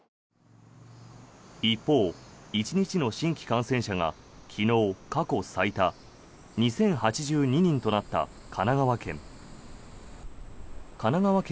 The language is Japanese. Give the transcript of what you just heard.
一方、１日の新規感染者が昨日過去最多２０８２人となった神奈川県。